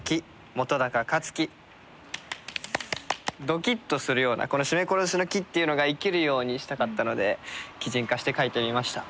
ドキッとするようなこの締め殺しの木っていうのが生きるようにしたかったので擬人化して書いてみました。